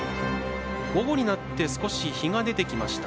午後になって日が出てきました。